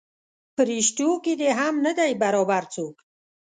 پریشتو کې دې هم نه دی برابر څوک.